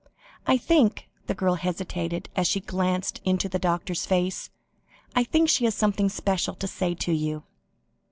I think," the girl hesitated as she glanced into the doctor's face, "I think she has something special to say to you."